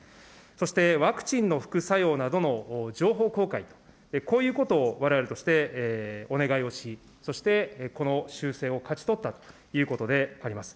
そしてワクチンの副作用などの情報公開、こういうことを、われわれとしてお願いをし、そしてこの修正を勝ち取ったということであります。